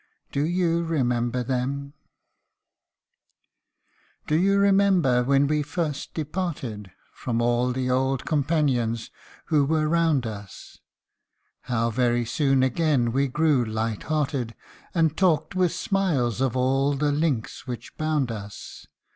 Do you remember them ? Do you remember when we first departed From all the old companions who were round us, How very soon again we grew light hearted, And talked with smiles of all the links which bound us